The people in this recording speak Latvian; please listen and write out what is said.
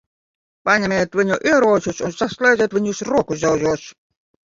Paņemiet viņu ieročus un saslēdziet viņus rokudzelžos.